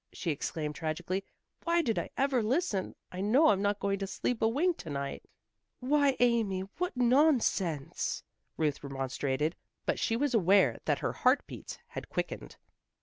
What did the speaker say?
she exclaimed tragically. "Why did I ever listen? I know I'm not going to sleep a wink to night." "Why, Amy, what nonsense!" Ruth remonstrated, but she was aware that her heartbeats had quickened.